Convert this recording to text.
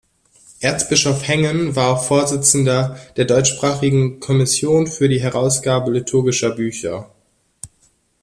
Erzbischof Hengen war auch Vorsitzender der deutschsprachigen Kommission für die Herausgabe liturgischer Bücher.